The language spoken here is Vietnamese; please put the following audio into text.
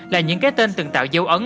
là những cái tên từng tạo dấu ấn